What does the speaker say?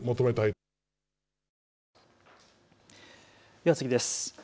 では次です。